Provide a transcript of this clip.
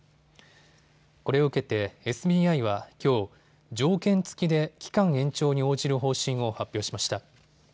これを受けてＳＢＩは、きょう、条件付きで期間延長に応じる方針を発表しました。